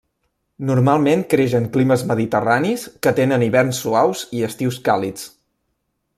Normalment creix en climes mediterranis que tenen hiverns suaus i estius càlids.